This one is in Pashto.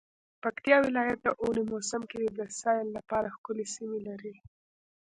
پکتيا ولايت د اوړی موسم کی د سیل لپاره ښکلی سیمې لری